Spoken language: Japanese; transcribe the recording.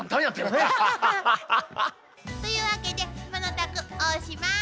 というわけでものたくおしまい！